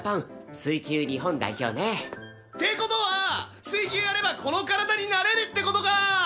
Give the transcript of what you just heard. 水球日本代表ね。って事は水球やればこの体になれるって事か！